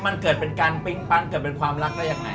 มันเกิดเป็นการปิ้งปั้นเกิดเป็นความรักได้ยังไง